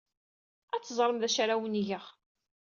Ad teẓrem d acu ara awen-geɣ.